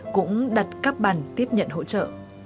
cũng đặt các bàn tiếp nhận hỗ trợ